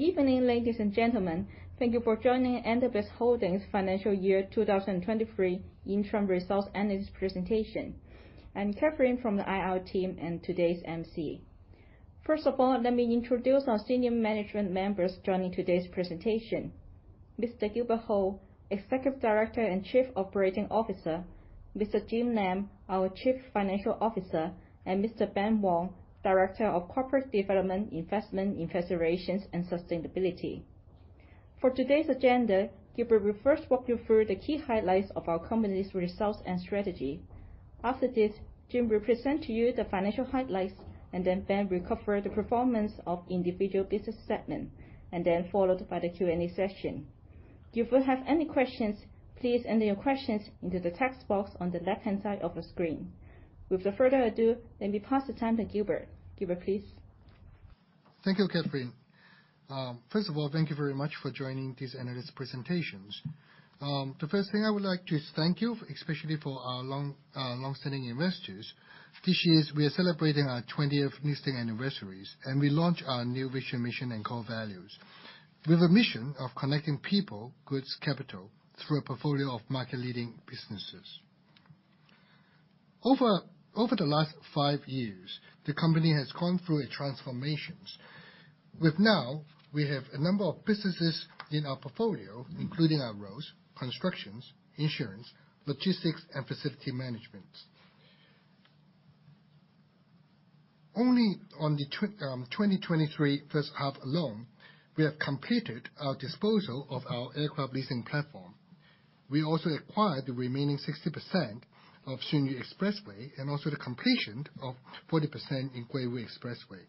Good evening, ladies and gentlemen. Thank you for joining CTF Services Financial Year 2023 interim results analyst presentation. I'm Catherine from the IR team. Today's MC. First of all, let me introduce our senior management members joining today's presentation. Mr. Gilbert Ho, Executive Director and Chief Operating Officer. Mr. Jim Lam, our Chief Financial Officer. Mr. Ben Wong, Director of Corporate Development, Investment, and Sustainability. For today's agenda, Gilbert will first walk you through the key highlights of our company's results and strategy. After this, Jim will present to you the financial highlights. Ben will cover the performance of individual business segment, followed by the Q&A session. If you have any questions, please enter your questions into the text box on the left-hand side of the screen. Without further ado, let me pass the time to Gilbert. Gilbert, please. Thank you, Catherine. First of all, thank you very much for joining this analyst presentations. The first thing I would like to is thank you, especially for our long, long-standing investors. This year, we are celebrating our 20th listing anniversaries, and we launch our new vision, mission, and core values. We have a mission of connecting people, goods, capital through a portfolio of market-leading businesses. Over the last five years, the company has gone through a transformations. With now, we have a number of businesses in our portfolio, including our roads, constructions, insurance, logistics, and facility management. Only on the 2023 first half alone, we have completed our disposal of our aircraft leasing platform. We also acquired the remaining 60% of Xingyi Expressway and also the completion of 40% in Guiwu Expressway.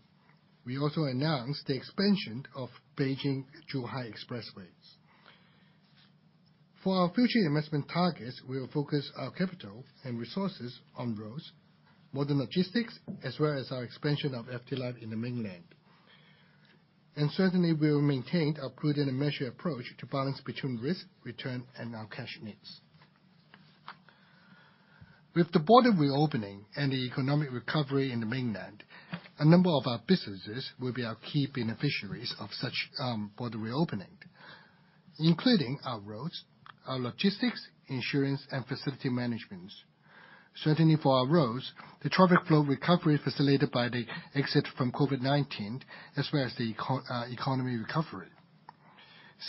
We also announced the expansion of Beijing-Zhuhai Expressways. For our future investment targets, we will focus our capital and resources on roads, modern logistics, as well as our expansion of FTLife in the Mainland. Certainly, we'll maintain a prudent measure approach to balance between risk, return, and our cash needs. With the border reopening and the economic recovery in the Mainland, a number of our businesses will be our key beneficiaries of such border reopening, including our roads, our logistics, insurance, and facility managements. Certainly for our roads, the traffic flow recovery facilitated by the exit from COVID-19 as well as the economy recovery.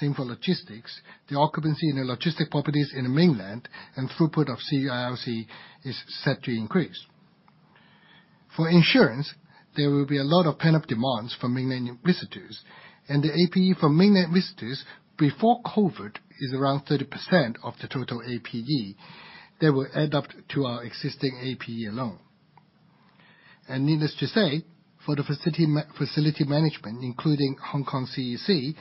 Same for logistics. The occupancy in the logistic properties in the Mainland and throughput of CUIRC is set to increase. For insurance, there will be a lot of pent-up demands from Mainland visitors. The APE from Mainland visitors before COVID is around 30% of the total APE. They will add up to our existing APE alone. Needless to say, for the facility management, including Hong Kong CEC,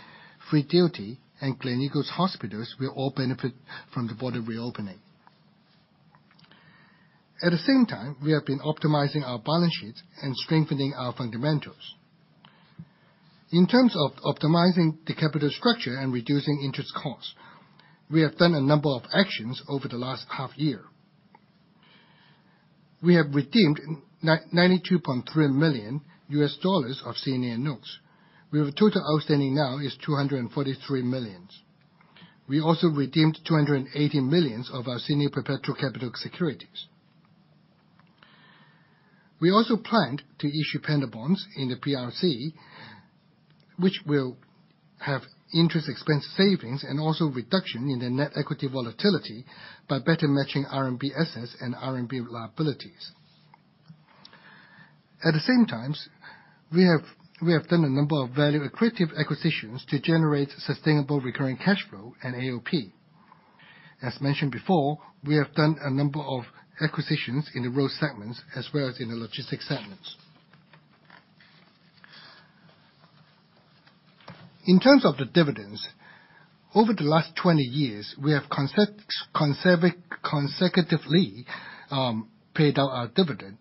Free Duty, and Gleneagles Hospitals will all benefit from the border reopening. At the same time, we have been optimizing our balance sheets and strengthening our fundamentals. In terms of optimizing the capital structure and reducing interest costs, we have done a number of actions over the last half year. We have redeemed $92.3 million of senior notes. We have a total outstanding now is $243 million. We also redeemed $280 million of our senior perpetual capital securities. We also planned to issue panda bonds in the PRC, which will have interest expense savings and also reduction in the net equity volatility by better matching RMB assets and RMB liabilities. At the same times, we have done a number of value accretive acquisitions to generate sustainable recurring cash flow and AOP. As mentioned before, we have done a number of acquisitions in the road segments as well as in the logistics segments. In terms of the dividends, over the last 20 years, we have consecutively paid out our dividend.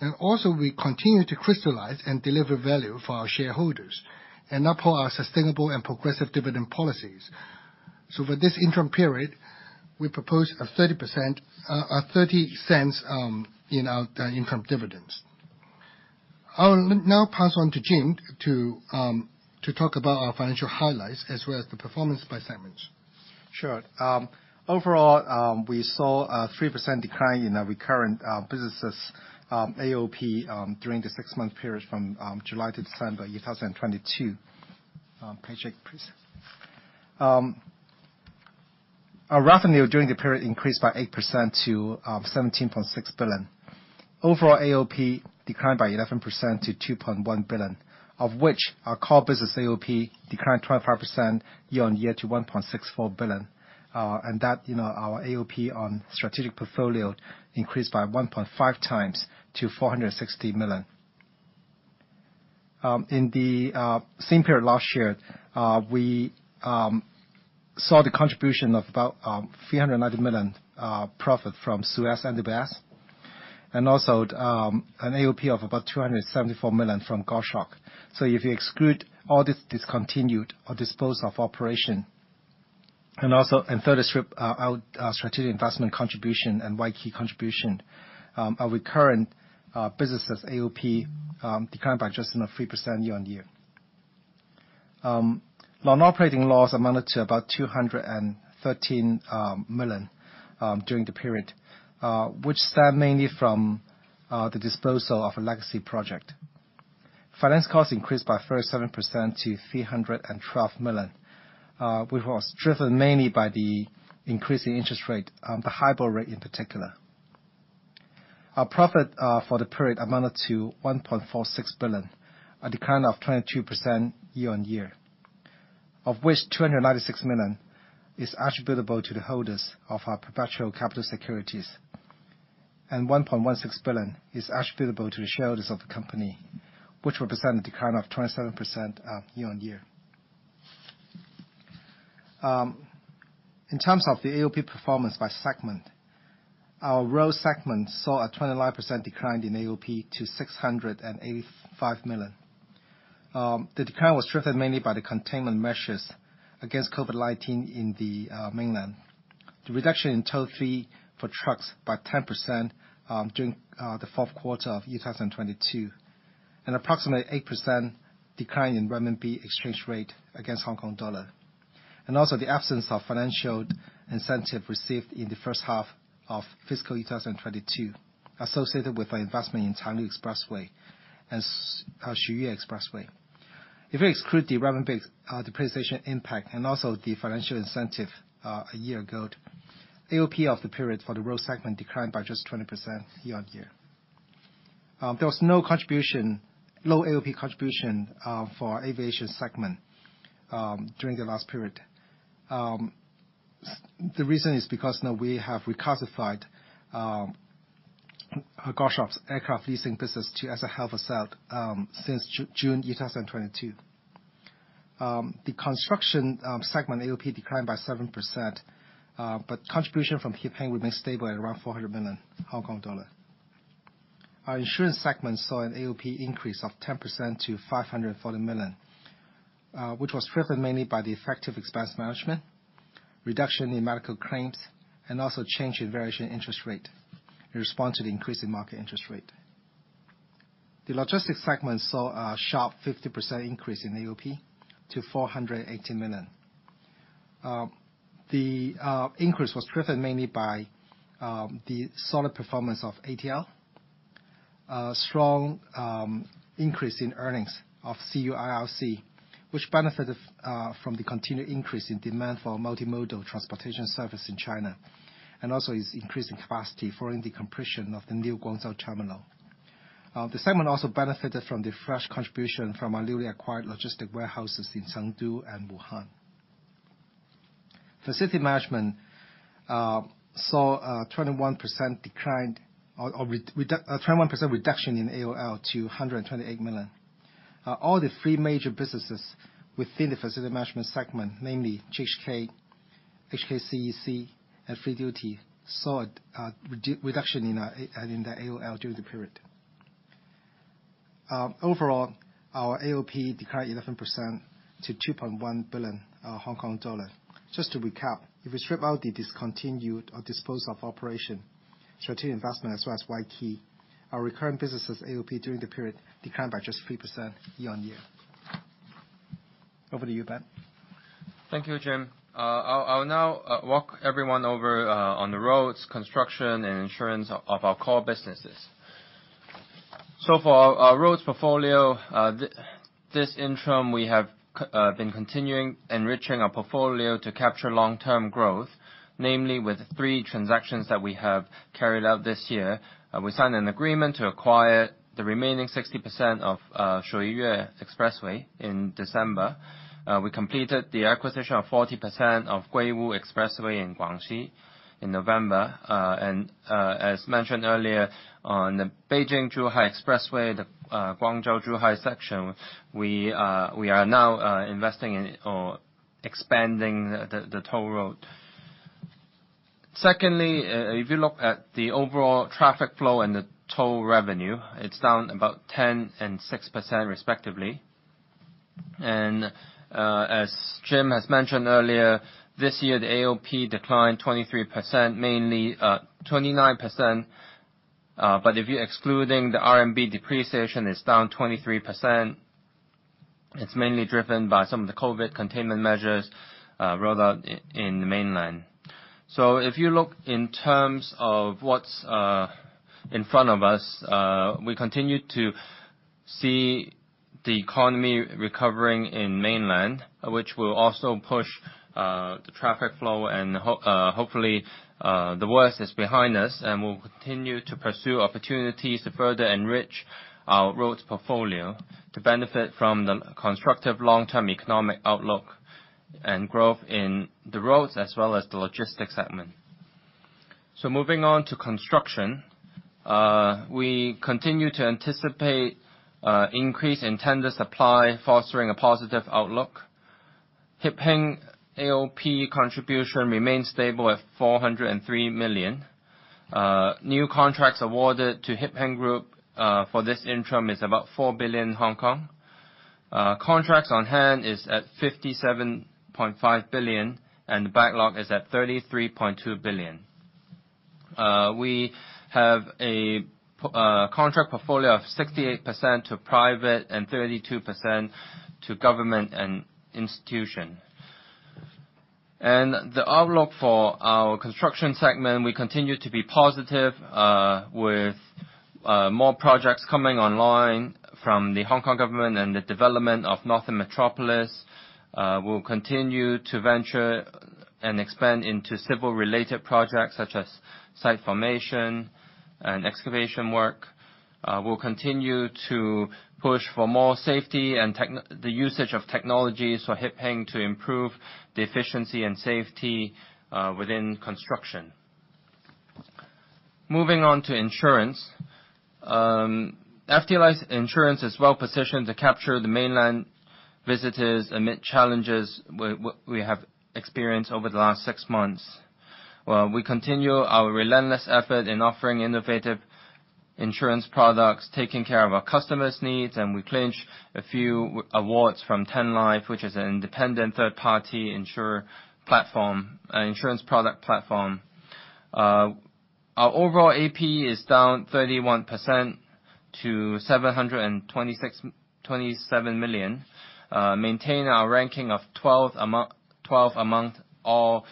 We continue to crystallize and deliver value for our shareholders and uphold our sustainable and progressive dividend policies. For this interim period, we propose a 0.30 in our interim dividends. I'll now pass on to Jim to talk about our financial highlights as well as the performance by segments. Sure. Overall, we saw a 3% decline in our recurrent businesses AOP during the six-month period from July to December 2022. Page eight, please. Our revenue during the period increased by 8% to 17.6 billion. Overall AOP declined by 11% to 2.1 billion, of which our core business AOP declined 25% year-on-year to 1.64 billion. You know, our AOP on strategic portfolio increased by 1.5 times to 460 million. In the same period last year, we saw the contribution of about 390 million profit from SUEZ NWS, and also an AOP of about 274 million from Goshawk. If you exclude all this discontinued or disposed-of operation. Further strip our strategic investment contribution and Wai Kee contribution, our recurrent businesses AOP declined by just enough 3% year-on-year. Non-operating loss amounted to about 213 million during the period, which stem mainly from the disposal of a legacy project. Finance costs increased by 37% to 312 million, which was driven mainly by the increasing interest rate, the hybrid rate in particular. Our profit for the period amounted to 1.46 billion, a decline of 22% year-on-year. Of which 296 million is attributable to the holders of our perpetual capital securities, and 1.16 billion is attributable to the shareholders of the company, which represent a decline of 27% year-on-year. In terms of the AOP performance by segment, our road segment saw a 29% decline in AOP to 685 million. The decline was driven mainly by the containment measures against COVID-19 in the Mainland. The reduction in toll fee for trucks by 10% during the fourth quarter of 2022. Approximately 8% decline in renminbi exchange rate against Hong Kong dollar. Also the absence of financial incentive received in the first half of fiscal year 2022, associated with our investment in Tang-Lu Expressway and Sui-Yue Expressway. If we exclude the RMB's depreciation impact and also the financial incentive a year ago, AOP of the period for the road segment declined by just 20% year-on-year. There was no AOP contribution for aviation segment during the last period. The reason is because now we have reclassified Goshawk [inaudible] as a held for sale since June 2022. The construction segment AOP declined by 7%, but contribution from Hip Hing remains stable at around 400 million Hong Kong dollar. Our insurance segment saw an AOP increase of 10% to 540 million, which was driven mainly by the effective expense management, reduction in medical claims, and also change in variation interest rate in response to the increase in market interest rate. The logistics segment saw a sharp 50% increase in AOP to 480 million. The increase was driven mainly by the solid performance of ATL. Strong increase in earnings of CUIRC, which benefited from the continued increase in demand for multimodal transportation service in China, also is increasing capacity following the compression of the new Guangzhou terminal. The segment also benefited from the fresh contribution from our newly acquired logistic warehouses in Chengdu and Wuhan. Facility management saw a 21% decline or a 21% reduction in AOP to 128 million. All the three major businesses within the facility management segment, namely GHK, HKCEC, and Free Duty, saw a reduction in the AOP during the period. Overall, our AOP declined 11% to 2.1 billion Hong Kong dollar. Just to recap, if we strip out the discontinued or disposed of operation strategic investment as well as Wai Kee, our recurring businesses AOP during the period declined by just 3% year-on-year. Over to you, Ben. Thank you, Jim. I'll now walk everyone over on the roads, construction, and insurance of our core businesses. For our roads portfolio, this interim, we have been continuing enriching our portfolio to capture long-term growth, namely with three transactions that we have carried out this year. We signed an agreement to acquire the remaining 60% of Sui-Yue Expressway in December. We completed the acquisition of 40% of Guiwu Expressway in Guangxi in November. As mentioned earlier, on the Beijing-Zhuhai Expressway, the Guangzhou-Zhuhai section, we are now investing in or expanding the toll road. Secondly, if you look at the overall traffic flow and the toll revenue, it's down about 10% and 6% respectively. As Jim has mentioned earlier, this year the AOP declined 23%, mainly 29%. If you're excluding the RMB depreciation, it's down 23%. It's mainly driven by some of the COVID containment measures rolled out in the mainland. If you look in terms of what's in front of us, we continue to see the economy recovering in mainland, which will also push the traffic flow and hopefully the worst is behind us. We'll continue to pursue opportunities to further enrich our roads portfolio to benefit from the constructive long-term economic outlook and growth in the roads as well as the logistics segment. Moving on to construction, we continue to anticipate increase in tender supply, fostering a positive outlook. Hip Hing AOP contribution remains stable at 403 million. New contracts awarded to Hip Hing Group for this interim is about 4 billion Hong Kong. Contracts on hand is at 57.5 billion, and the backlog is at 33.2 billion. We have a contract portfolio of 68% to private and 32% to government and institution. The outlook for our construction segment, we continue to be positive with more projects coming online from the Hong Kong government and the development of Northern Metropolis will continue to venture and expand into civil related projects such as site formation and excavation work. We'll continue to push for more safety and the usage of technologies for Hip Hing to improve the efficiency and safety within construction. Moving on to insurance. FTLife's insurance is well positioned to capture the mainland visitors amid challenges we have experienced over the last six months. We continue our relentless effort in offering innovative insurance products, taking care of our customers' needs, we clinch a few awards from 10Life, which is an independent third party insurer platform, insurance product platform. Our overall AP is down 31% to 727 million. Maintain our ranking of 12 among all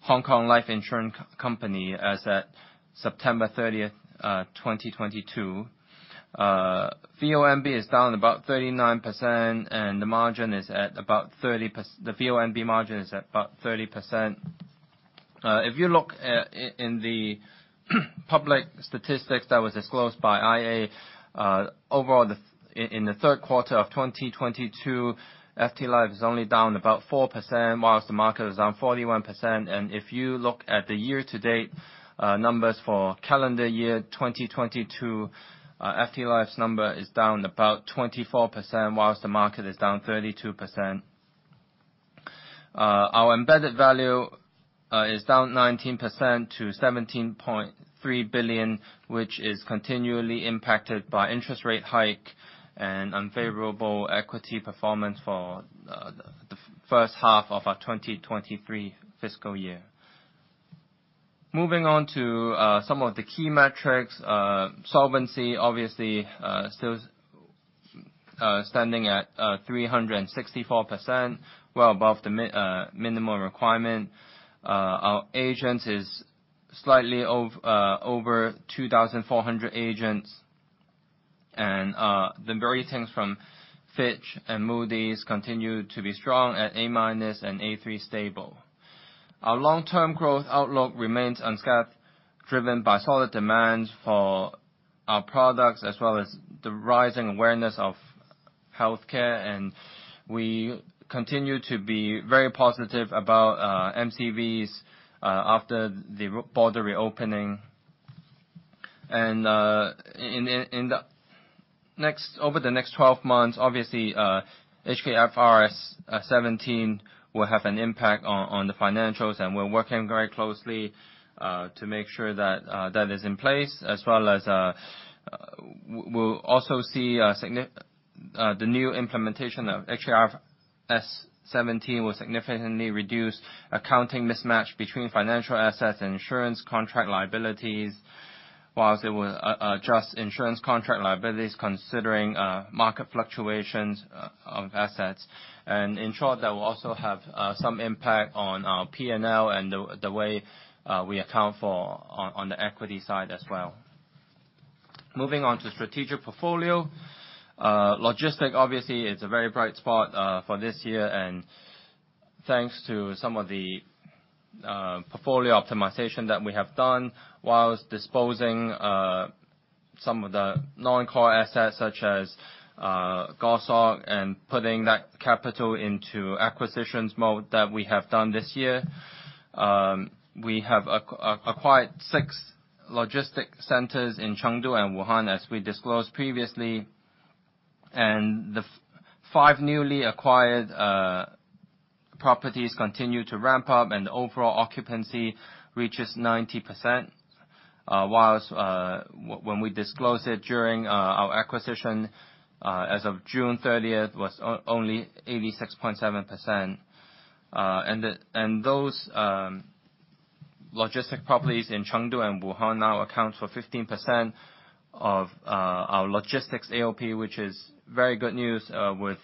Hong Kong life insurance company as at September 30th, 2022. VONB is down about 39%, the margin is at about 30%. The VONB margin is at about 30%. If you look at in the public statistics that was disclosed by IA, overall, in the third quarter of 2022, FTLife is only down about 4%, whilst the market is down 41%. If you look at the year to date numbers for calendar year 2022, FTLife's number is down about 24%, whilst the market is down 32%. Our embedded value is down 19% to 17.3 billion, which is continually impacted by interest rate hike and unfavorable equity performance for the first half of our 2023 fiscal year. Moving on to some of the key metrics. Solvency, obviously, still standing at 364%, well above the minimum requirement. Our agents is slightly over 2,400 agents. The ratings from Fitch and Moody's continue to be strong at A- and A3 stable. Our long-term growth outlook remains unscathed, driven by solid demand for our products as well as the rising awareness of healthcare. We continue to be very positive about MCVs after the border reopening. In, in the next, over the next 12 months, obviously, HKFRS 17 will have an impact on the financials, and we're working very closely to make sure that that is in place as well as, we'll also see the new implementation of HKFRS 17 will significantly reduce accounting mismatch between financial assets and insurance contract liabilities, whilst it will adjust insurance contract liabilities considering market fluctuations of assets. In short, that will also have some impact on our P&L and the way we account for on the equity side as well. Moving on to strategic portfolio. Logistic obviously is a very bright spot for this year. Thanks to some of the portfolio optimization that we have done whilst disposing some of the non-core assets such as Goshawk and putting that capital into acquisitions mode that we have done this year. We have acquired six logistic centers in Chengdu and Wuhan, as we disclosed previously. The five newly acquired properties continue to ramp up, and the overall occupancy reaches 90%. Whilst when we disclose it during our acquisition as of June 30th, was only 86.7%. Those logistic properties in Chengdu and Wuhan now account for 15% of our logistics AOP, which is very good news, with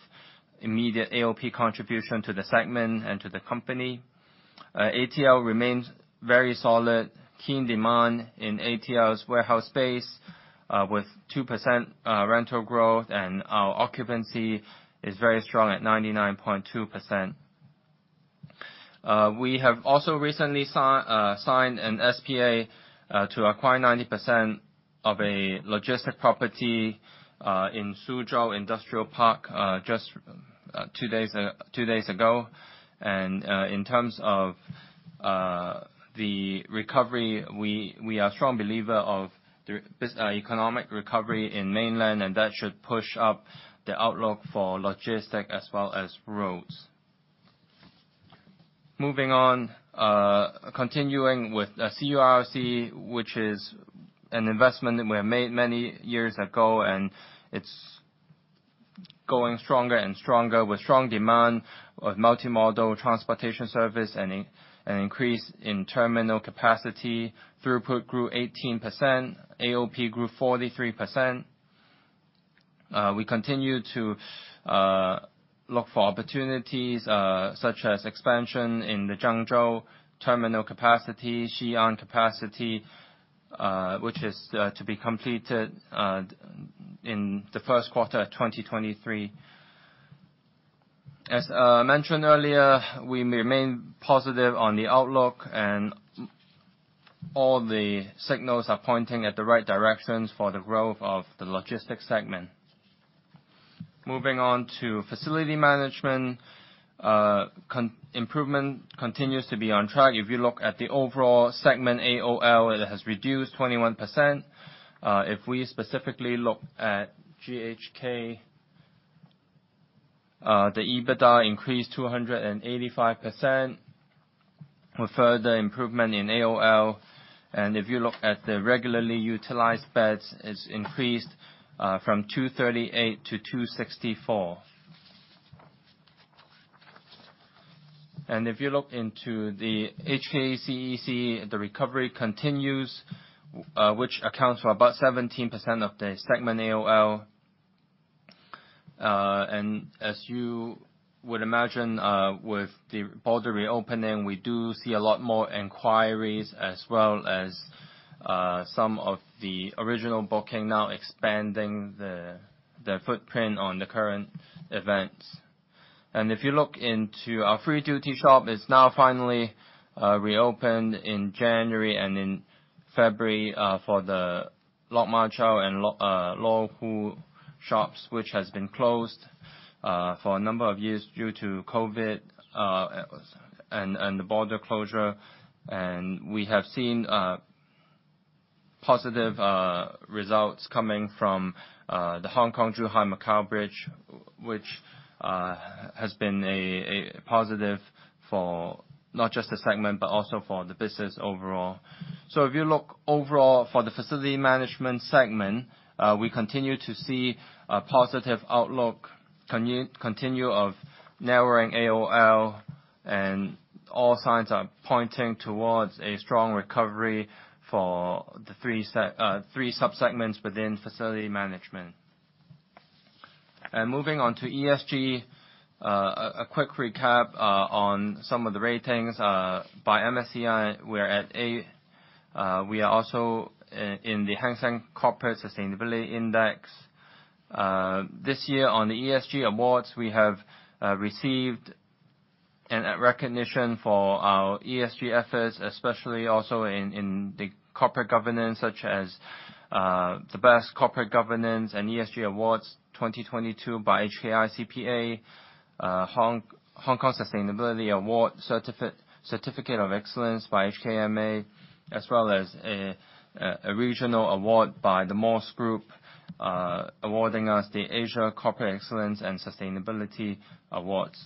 immediate AOP contribution to the segment and to the company. ATL remains very solid, keen demand in ATL's warehouse space, with 2% rental growth and our occupancy is very strong at 99.2%. We have also recently signed an SPA to acquire 90% of a logistic property in Suzhou Industrial Park two days ago. In terms of the recovery, we are a strong believer of the economic recovery in Mainland, and that should push up the outlook for logistics as well as roads. Moving on, continuing with CUIRC, which is an investment that we have made many years ago, and it's going stronger and stronger with strong demand of multimodal transportation service and an increase in terminal capacity. Throughput grew 18%. AOP grew 43%. We continue to look for opportunities, such as expansion in the Zhengzhou terminal capacity, Xi'an capacity, which is to be completed in the first quarter of 2023. As mentioned earlier, we remain positive on the outlook, and all the signals are pointing at the right directions for the growth of the logistics segment. Moving on to facility management. Improvement continues to be on track. If you look at the overall segment AOP, it has reduced 21%. If we specifically look at GHK, the EBITDA increased 285% with further improvement in AOP. If you look at the regularly utilized beds, it's increased from 238 to 264. If you look into the HKCEC, the recovery continues, which accounts for about 17% of the segment AOP. As you would imagine, with the border reopening, we do see a lot more inquiries as well as some of the original booking now expanding the footprint on the current events. If you look into our Free Duty shop, it's now finally reopened in January and in February for the Lok Ma Chau and Lo Wu shops, which has been closed for a number of years due to COVID and the border closure. We have seen positive results coming from the Hong Kong-Zhuhai-Macao Bridge, which has been a positive for not just the segment but also for the business overall. If you look overall for the facility management segment, we continue to see a positive outlook continue of narrowing AOL, and all signs are pointing towards a strong recovery for the three sub-segments within facility management. Moving on to ESG. A quick recap on some of the ratings. By MSCI, we're at A. We are also in the Hang Seng Corporate Sustainability Index. This year on the ESG awards, we have received a recognition for our ESG efforts, especially also in the corporate governance, such as the Best Corporate Governance and ESG Awards 2022 by HKICPA, Hong Kong Sustainability Award Certificate of Excellence by HKMA, as well as a regional award by the MORS Group, awarding us the Asia Corporate Excellence & Sustainability Awards.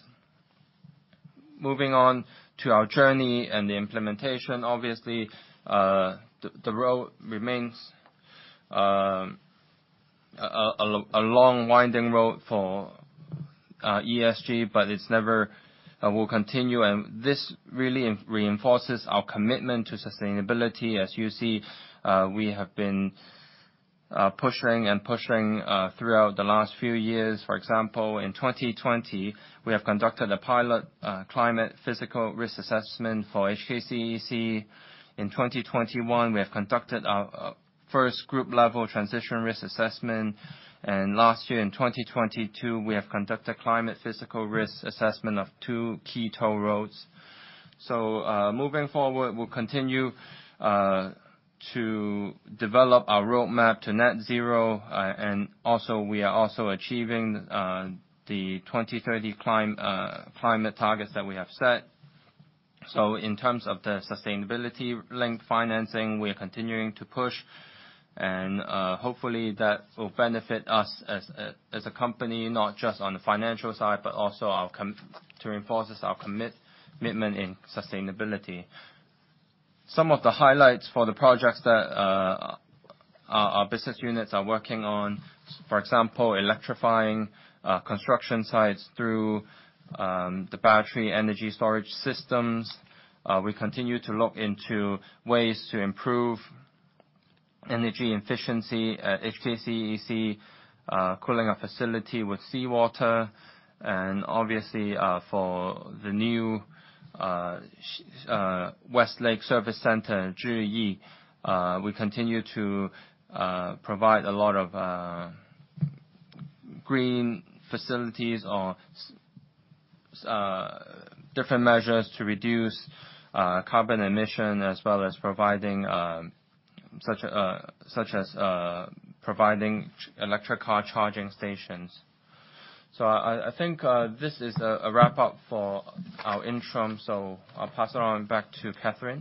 Moving on to our journey and the implementation. Obviously, the road remains a long winding road for ESG, but it's never will continue. This really reinforces our commitment to sustainability. As you see, we have been pushing and pushing throughout the last few years. For example, in 2020, we have conducted a pilot climate physical risk assessment for HKCEC. In 2021, we have conducted our first group-level transition risk assessment. Last year, in 2022, we have conducted climate physical risk assessment of two key toll roads. Moving forward, we'll continue to develop our roadmap to net zero. Also, we are also achieving the 2030 climate targets that we have set. In terms of the sustainability link financing, we are continuing to push. Hopefully, that will benefit us as a company, not just on the financial side, but also to reinforce our commitment in sustainability. Some of the highlights for the projects that our business units are working on, for example, electrifying construction sites through the battery energy storage systems. We continue to look into ways to improve energy efficiency at HKCEC, cooling our facility with seawater. Obviously, for the new West Lake Service Center, Zhiyi, we continue to provide a lot of green facilities or different measures to reduce carbon emission, as well as providing such as providing electric car charging stations. I think this is a wrap-up for our interim. I'll pass it on back to Catherine.